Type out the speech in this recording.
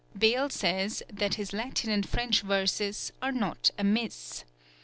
Bayle says that his Latin and French verses "are not amiss."